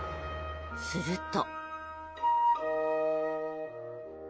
すると。